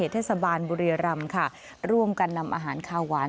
เทศบาลบุรีรำค่ะร่วมกันนำอาหารคาวหวาน